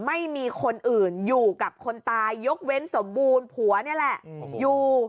ไม่มีคนอื่นอยู่กับคนตายยกเว้นสมบูรณ์ผัวนี่แหละอยู่